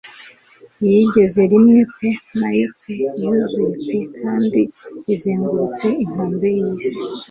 Yigeze rimwe pe nayo pe yuzuye pe kandi izengurutse inkombe z'isi